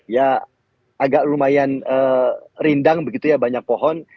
ya agak lumayan rindang begitu ya banyak pohon